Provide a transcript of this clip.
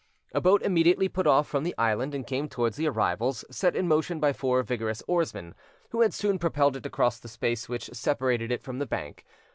A boat immediately put off from the island and came towards the arrivals, set in motion by four vigorous oarsmen, who had soon propelled it across the space which separated it from the bank.